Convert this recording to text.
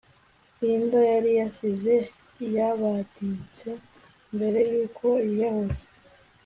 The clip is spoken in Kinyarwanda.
Linda yari yasize yabditse mbere yuko yiyahura